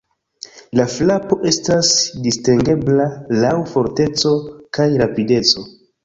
La frapo estas distingebla laŭ forteco kaj rapideco.